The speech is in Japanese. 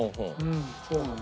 うん。